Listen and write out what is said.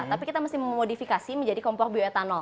tapi kita mesti memodifikasi menjadi kompor bioetanol